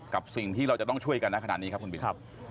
กับสิ่งที่เราจะต้องช่วยกันนะขนาดนี้ครับคุณบิน